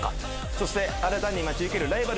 そして新たに待ち受けるライバルとは。